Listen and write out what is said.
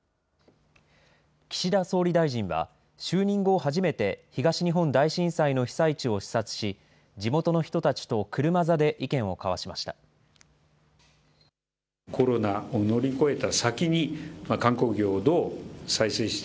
岸田総理大臣は、就任後初めて東日本大震災の被災地を視察し、地元の人たちと車座で意見を交わしました。